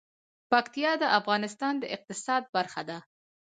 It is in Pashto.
پکتیا د افغانستان د اقتصاد برخه ده.